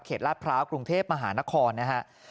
เขตลาดพร้าวกรุงเทพมหานครนะครับ